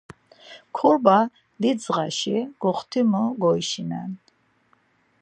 Korba didzğaşi goxtimu guyişinen.